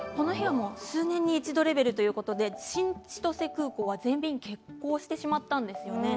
数年に一度レベルということで新千歳空港は全便欠航してしまったんですよね。